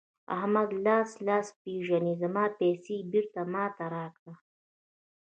احمده؛ لاس لاس پېژني ـ زما پيسې بېرته ما ته راکړه.